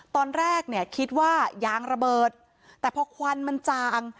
ตอนแรกเนี่ยคิดว่ายางระเบิดแต่พอควันมันจาง